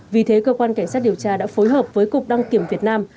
vì thế cơ quan cảnh sát điều tra đã phối hợp với cục đăng kiểm việt nam